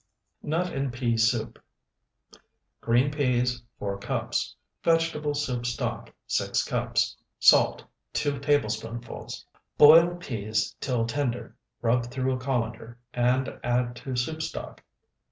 NUT AND PEA SOUP Green peas, 4 cups. Vegetable soup stock, 6 cups. Salt, 2 tablespoonfuls. Boil peas till tender, rub through a colander, and add to soup stock.